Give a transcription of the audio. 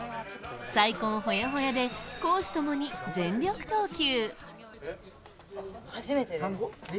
再婚ホヤホヤで、公私ともに全力投球。